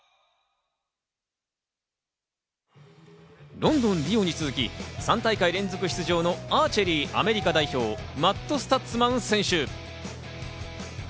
ロンドン、リオに続き、３大会連続出場のアーチェリー、アメリカ代表マット・スタッツマン選手。